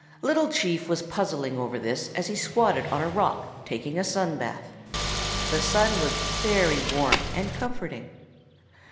"Little Chief was puzzling over this as he squatted on a rock taking a sun bath. The sun was very warm and comforting.